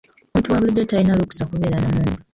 Omuntu wa bulijjo talina lukusa kubeera na mmundu.